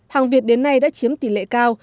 hàng việt đến nay đã chiếm tỷ lệ cao